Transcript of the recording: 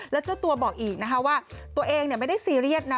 แล้วเจ้าตัวบอกอีกนะคะว่าตัวเองไม่ได้ซีเรียสนะ